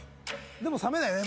でも冷めないよね。